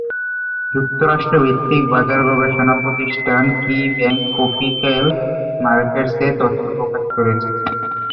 যুক্তরাষ্ট্রভিত্তিক বাজার গবেষণা প্রতিষ্ঠান কিব্যাংক ক্যাপিকাল মার্কেটস এ তথ্য প্রকাশ করেছে।